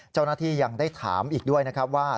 เจ้าหน้าที่ยังได้ถามอีกด้วยนะครับว่า